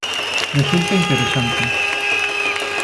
Resulta interesante.